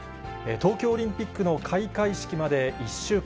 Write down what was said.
東京オリンピックの開会式まで１週間。